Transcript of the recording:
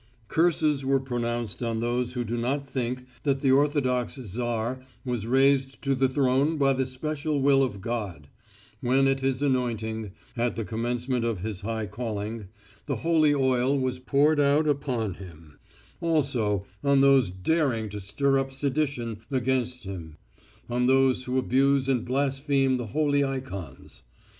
Curses were pronounced on those who do not think that the Orthodox Tsar was raised to the throne by the special will of God, when at his anointing, at the commencement of his high calling, the holy oil was poured out upon him; also on those daring to stir up sedition against him; on those who abuse and blaspheme the holy ikons.